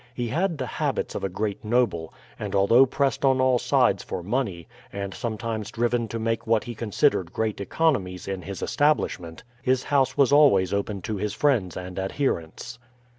He had the habits of a great noble; and although pressed on all sides for money, and sometimes driven to make what he considered great economies in his establishment, his house was always open to his friends and adherents.